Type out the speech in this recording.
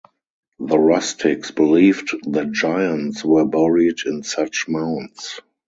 The rustics believed that giants were buried in such mounds.